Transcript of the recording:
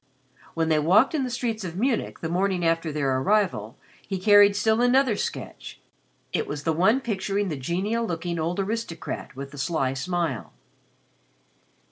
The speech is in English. When they walked in the streets of Munich, the morning after their arrival, he carried still another sketch. It was the one picturing the genial looking old aristocrat with the sly smile.